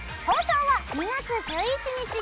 放送は２月１１日